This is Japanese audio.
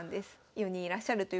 ４人いらっしゃるということで。